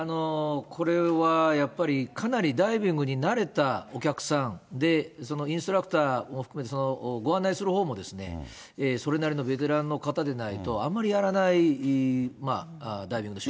これは、やっぱりかなりダイビングに慣れたお客さんで、そのインストラクターも含めて、ご案内するほうも、それなりのベテランの方でないと、あんまりやらない、まあ、ダイビングの手法。